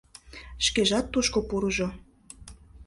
Шкежат тушко пурыжо.